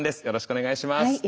よろしくお願いします。